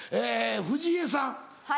藤江さん。